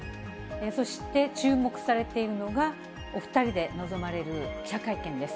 そして、注目されているのが、お２人で臨まれる記者会見です。